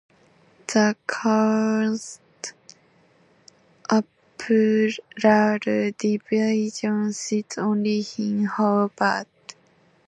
The Court's Appeal division sits only in Hobart.